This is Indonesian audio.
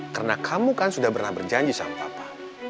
karena kamu kan sudah pernah berjanji sama papa